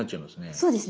そうですね。